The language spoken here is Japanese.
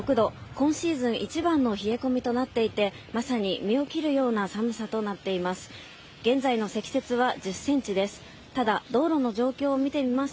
今シーズン一番の冷え込みとなっていて、まさに身を切るような寒さとなっています。